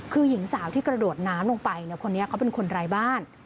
คือหญิงสาวที่กระโดดน้ำลงไปเนี่ยคนนี้เขาเป็นคนไร้บ้าน